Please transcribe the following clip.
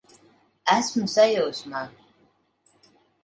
Esmu sajūsmā!